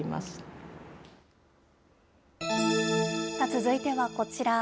続いてはこちら。